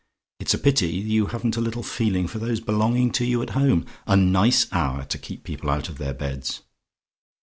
It's a pity you haven't a little feeling for those belonging to you at home. A nice hour to keep people out of their beds!